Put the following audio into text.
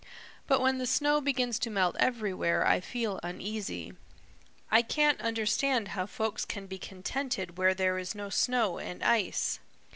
But when the snow begins to melt everywhere I feel uneasy. I can't understand how folks can be contented where there is no snow and ice.